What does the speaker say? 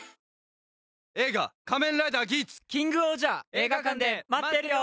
映画館で待ってるよ！